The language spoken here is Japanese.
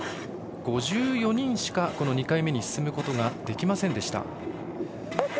５４人しか２回目に進むことができませんでした。